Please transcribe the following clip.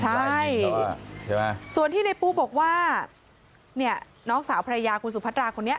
ใช่ส่วนที่ในปูบอกว่าเนี่ยน้องสาวภรรยาคุณสุพัตราคนนี้